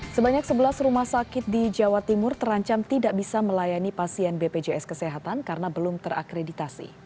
sebanyak sebelas rumah sakit di jawa timur terancam tidak bisa melayani pasien bpjs kesehatan karena belum terakreditasi